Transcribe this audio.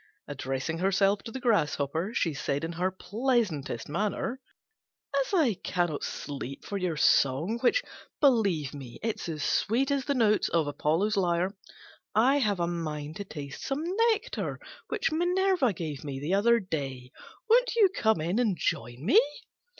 Addressing herself to the Grasshopper, she said in her pleasantest manner, "As I cannot sleep for your song, which, believe me, is as sweet as the notes of Apollo's lyre, I have a mind to taste some nectar, which Minerva gave me the other day. Won't you come in and join me?"